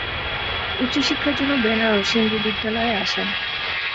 উচ্চশিক্ষার জন্য বেনারস হিন্দু বিদ্যালয়ে আসেন।